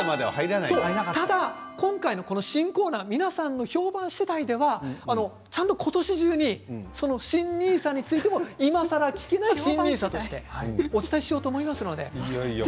ただ今回の新コーナー皆さんの評判次第ではちゃんと今年中に新ＮＩＳＡについてもいまさら聞けない新ＮＩＳＡとしてお伝えしようと思いますので。